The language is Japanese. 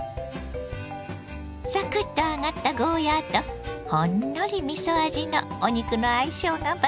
サクッと揚がったゴーヤーとほんのりみそ味のお肉の相性が抜群。